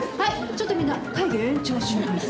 ちょっとみんな会議を延長します。